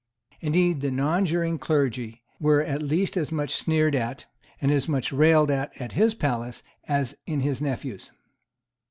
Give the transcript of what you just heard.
Indeed the nonjuring clergy were at least as much sneered at and as much railed at in his palace as in his nephew's.